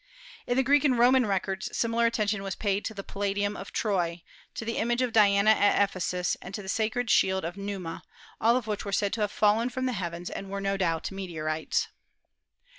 In the Greek and Roman records similar attention was paid to the palladium of Troy, to the image of Diana at Ephesus and to the sacred shield of Numa, all of which were said to have fallen from the heavens and were no doubt meteorites.